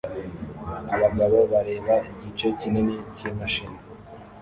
Abagabo bareba igice kinini cyimashini